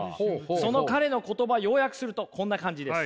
その彼の言葉要約するとこんな感じです。